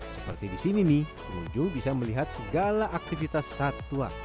seperti di sini nih pengunjung bisa melihat segala aktivitas satwa